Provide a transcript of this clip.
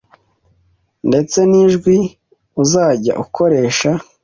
ndetse n’ijwi uzajya ukoresha